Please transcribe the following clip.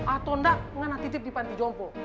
atau enggak ngana tidip di panti jompo